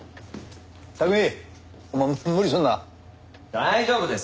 大丈夫です！